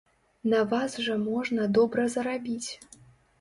На вас жа можна добра зарабіць.